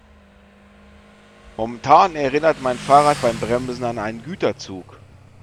Momentan erinnert mein Fahrrad beim Bremsen an einen Güterzug.